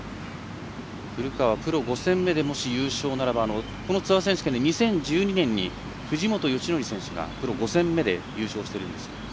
古川、プロ５戦目でもし優勝ならこのツアー選手権で２０１２年に藤本佳則選手がプロ５戦目で優勝しているんです。